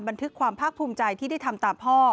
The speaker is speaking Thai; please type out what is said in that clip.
บันทึกความภาคภูมิใจที่ได้ทำตามพ่อ